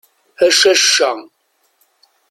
A cacca!